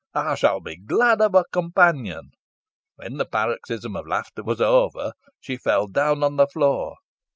'I shall be glad of a companion.' "When the paroxysm of laughter was over, she fell down on the floor.